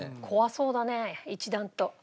怖そうだね一段と。